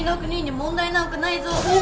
問題なんかない！